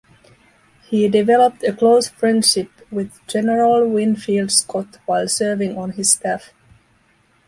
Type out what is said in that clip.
He developed a close friendship with General Winfield Scott while serving on his staff.